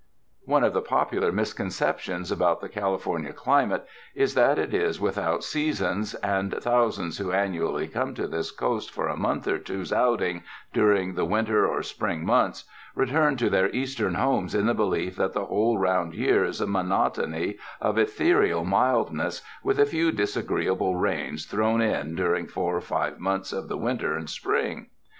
One of the popular misconceptions about the Cali fornia climate is that it is without seasons, and thousands who annually come to this coast for a month or two's outing during the winter or spring months return to their Eastern homes in the belief that the whole round year is a monotony of ethereal mildness with a few disagreeable rains thrown in during four or five months of the winter and spring.